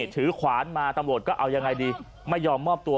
ถือขวานมาตำรวจก็เอายังไงดีไม่ยอมมอบตัว